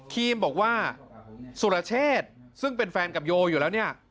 คีมบอกว่าสุรเชษซึ่งเป็นแฟนกับโยอยู่แล้วเนี่ย